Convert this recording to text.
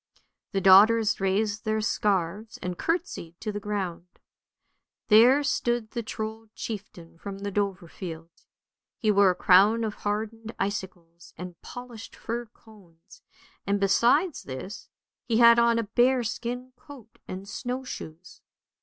The daughters raised their scarves and curtseyed to the ground. There stood the Trold chieftain from the Dovrefield; he wore a crown of hardened icicles and polished fir cones, and besides this, he had on a bearskin coat and snow shoes.